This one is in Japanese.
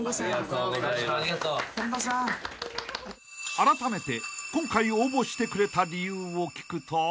［あらためて今回応募してくれた理由を聞くと］